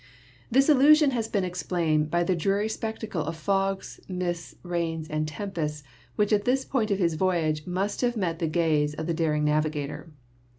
This illusion has been explained by the dreary spectacle of fogs, mists, rains and tempests which at this point of his voyage must have met the gaze of the daring navigator.